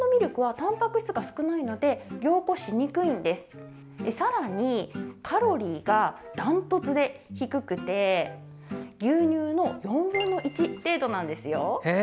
正解はさらにカロリーがダントツで低くて牛乳の４分の１程度なんですよ。